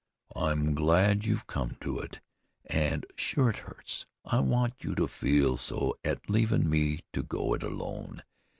"I'm glad you've come to it. An' sure it hurts. I want you to feel so at leavin' me to go it alone.